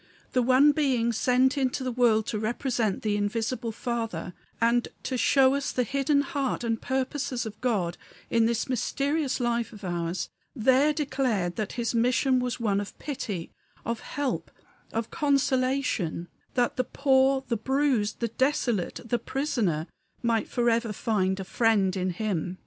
The one Being sent into the world to represent the Invisible Father, and to show us the hidden heart and purposes of God in this mysterious life of ours, there declared that his mission was one of pity, of help, of consolation; that the poor, the bruised, the desolate, the prisoner, might forever find a Friend in him.